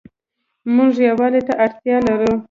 مونږ يووالي ته اړتيا لرو